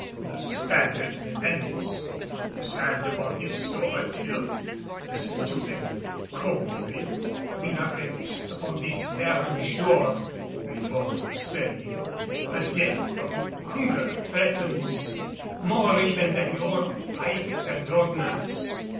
The Spaniard, Menendez, his hand upon his sword hilt listened to him coldly: "We are wrecked upon this barren shore," Ribault was saying. "A death from hunger threatens more even than your pikes and ordnance.